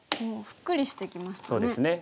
ふっくりしてきましたね。